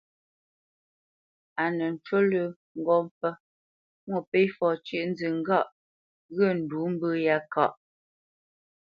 A nə ncú lə́ ŋgó mpfə́ Mwôpéfɔ cʉ́ʼnzə ŋgâʼ ghyə̂ ndǔ mbə̂ yá káʼ.